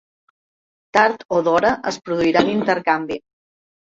Tard o d'hora es produirà l'intercanvi.